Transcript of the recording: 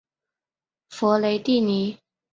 弗雷蒂尼。